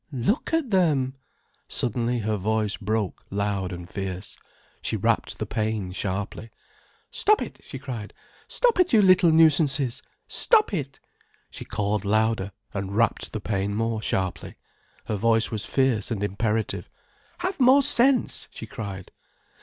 Look at them!" Suddenly her voice broke loud and fierce, she rapped the pane sharply. "Stop it," she cried, "stop it, you little nuisances. Stop it!" She called louder, and rapped the pane more sharply. Her voice was fierce and imperative. "Have more sense," she cried.